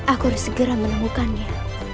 aku harus segera menemukannya